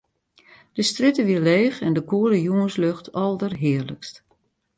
De strjitte wie leech en de koele jûnslucht alderhearlikst.